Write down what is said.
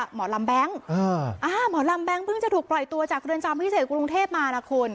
หมอลำแบงค์หมอลำแบงค์เพิ่งจะถูกปล่อยตัวจากเรือนจำพิเศษกรุงเทพมานะคุณ